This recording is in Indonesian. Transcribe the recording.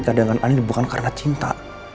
dikadangkan ani bukan karena cinta